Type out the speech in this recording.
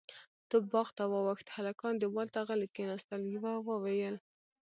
توپ باغ ته واوښت، هلکان دېوال ته غلي کېناستل، يوه وويل: